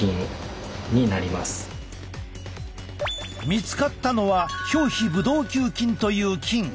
見つかったのは表皮ブドウ球菌という菌。